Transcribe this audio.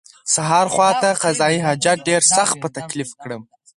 سهار خواته قضای حاجت ډېر سخت په تکلیف کړم.